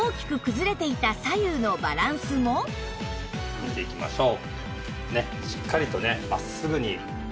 大きく見ていきましょう。